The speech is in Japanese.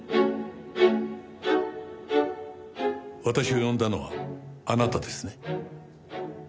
私を呼んだのはあなたですね？